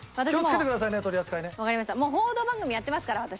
報道番組やってますから私。